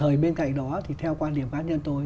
ở bên cạnh đó thì theo quan điểm cá nhân tôi